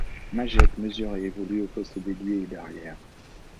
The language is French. Maggette mesure et évolue aux postes d'ailier et d'arrière.